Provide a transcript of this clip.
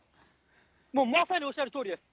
もうまさにおっしゃるとおりです。